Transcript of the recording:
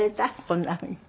こんなふうに。